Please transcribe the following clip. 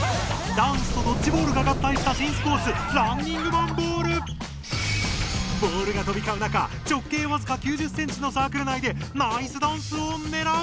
ダンスとドッジボールが合体した新スポーツボールがとびかう中直径わずか９０センチのサークル内でナイスダンスをねらう！